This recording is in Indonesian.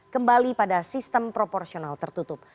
kembali pada sistem proporsional tertutup